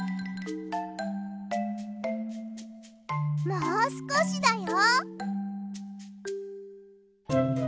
もうすこしだよ。